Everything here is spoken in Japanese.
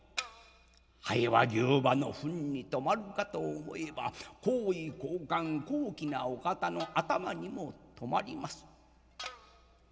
ハエは牛馬のふんに止まるかと思えば高位高官高貴なお方の頭にも止まります。